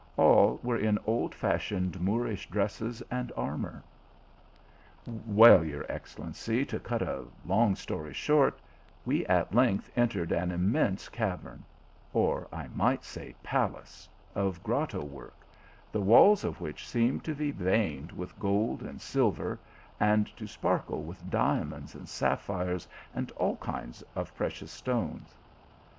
All were in old fashioned Moorish dress.es and armour. " Well, your excellency, to cut a long story short, we at length entered an immense cavern, or I might say palace, of grotto work, the walls of which seemed to be veined with gold and silver, and to sparkle with diamonds and sapphires, and all kinds of precious stones.